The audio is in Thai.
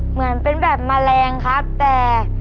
เหมือนเป็นแบบแมลงครับแต่